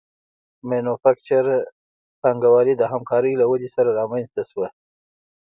مینوفکچور پانګوالي د همکارۍ له ودې سره رامنځته شوه